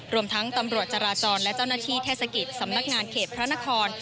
รวมทั้งตำรวจจราจรและเจ้าหน้าที่เทศกิจสำนักงานเขตพระนคร